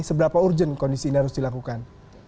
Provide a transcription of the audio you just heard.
seberapa urgent kondisi ini harus dilakukan